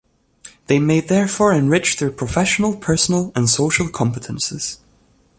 They may therefore enrich their professional, personal and social competences.